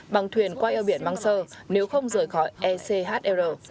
bằng thuyền qua eo biển mang sơ nếu không rời khỏi echr